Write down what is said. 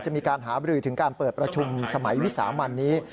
จะมีการหาบรือถึงการเปิดประชุมสมัยวิสามันนี้